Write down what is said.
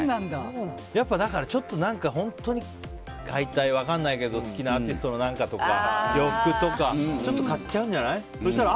ちょっと本当に分からないけど好きなアーティストの何かとか洋服とかちょっと買っちゃうんじゃない？